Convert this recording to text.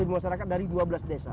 dari masyarakat dari dua belas desa